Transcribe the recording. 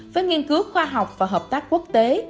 với nghiên cứu khoa học và hợp tác quốc tế